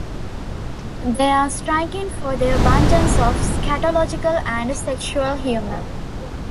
They are striking for their abundance of scatological and sexual humor.